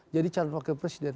jadi calon wakil presiden